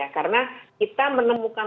karena kita menemukan